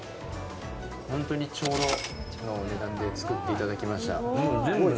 ほんとにちょうどの値段で作っていただきました。